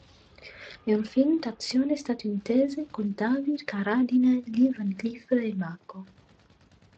È un film d'azione statunitense con David Carradine, Lee Van Cleef e Mako.